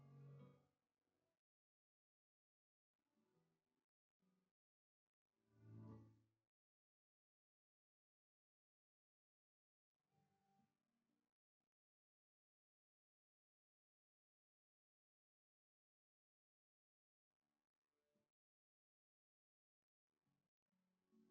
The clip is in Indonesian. pengen adhesive pa kenapa ngath mejor ya